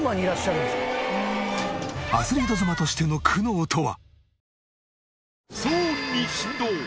アスリート妻としての苦悩とは？